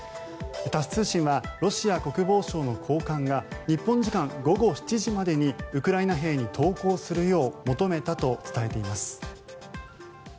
タス通信はロシア国防省の高官が日本時間午後７時までにウクライナ兵に投降するよう求めたと伝えています。